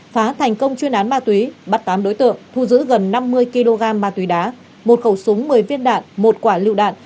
phá thành công chuyên án ma túy bắt tám đối tượng thu giữ gần năm mươi kg ma túy đá một khẩu súng một mươi viên đạn một quả lựu đạn